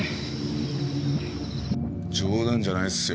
冗談じゃないっすよ。